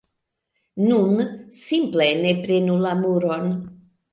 Nun, simple ne prenu la muron